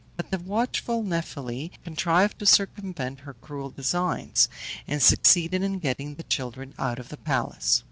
But the watchful Nephele contrived to circumvent her cruel designs, and succeeded in getting the children out of the palace.